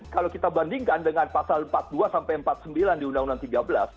kalau kita bandingkan dengan pasal empat puluh dua sampai empat puluh sembilan di undang undang tiga belas